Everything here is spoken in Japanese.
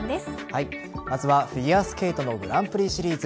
まずはフィギュアスケートのグランプリシリーズ。